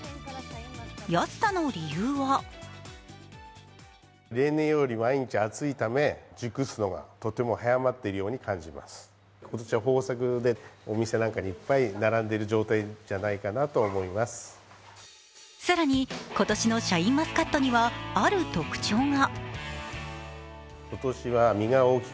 安さの理由は更に、今年のシャインマスカットにはある特徴が。